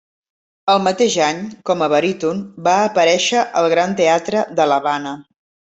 El mateix any, com a baríton, va aparèixer al Gran Teatre de l'Havana.